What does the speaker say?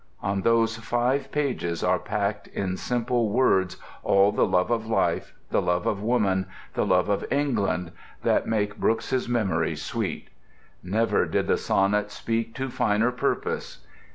On those five pages are packed in simple words all the love of life, the love of woman, the love of England that make Brooke's memory sweet. Never did the sonnet speak to finer purpose.